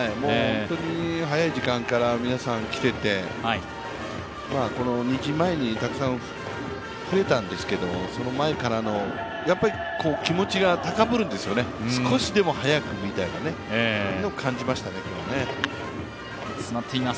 早い時間から皆さん来てて２時前にたくさん増えたんですけどその前からの、気持ちが高ぶるんですよね、少しでも早く見たいというのを感じましたね。